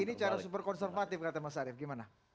ini cara super konservatif kata mas arief gimana